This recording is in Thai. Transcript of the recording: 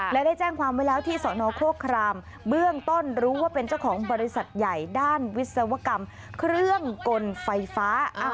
และได้แจ้งความไว้แล้วที่สนโครครามเบื้องต้นรู้ว่าเป็นเจ้าของบริษัทใหญ่ด้านวิศวกรรมเครื่องกลไฟฟ้า